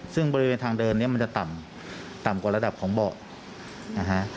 ซึ่งบริเวณทางเดินมันจะต่ำกว่าระดับของเบาะ